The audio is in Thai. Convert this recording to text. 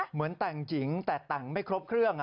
เหมือนแต่งหญิงแต่แต่งไม่ครบเครื่อง